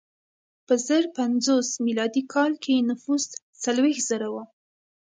په زر پنځوس میلادي کال کې نفوس څلوېښت زره و.